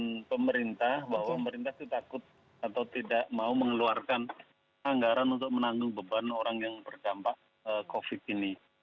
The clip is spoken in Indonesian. dan pemerintah bahwa pemerintah takut atau tidak mau mengeluarkan anggaran untuk menanggung beban orang yang berjampak covid sembilan belas ini